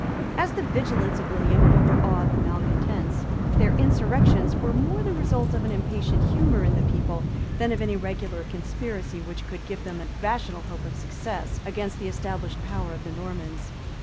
} As the vigilance of William overawed the malecontents, their insurrections were more the result of an impatient humor in the people, than of any regular conspiracy which could give them a rational hope of success against the established power of the Normans.